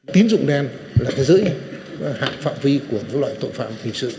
tín dụng đen là cái giới hạn phạm vi của loại tội phạm